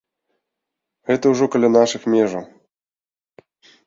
Гэта ўжо каля нашых межаў.